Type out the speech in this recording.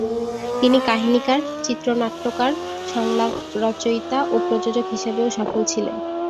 তিনি কাহিনীকার, চিত্রনাট্যকার, সংলাপ রচয়িতা ও প্রযোজক হিসেবেও সফল ছিলেন।